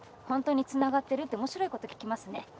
「本当につながってる？」って面白いこと聞きますね。